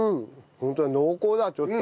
ホントだ濃厚だちょっと。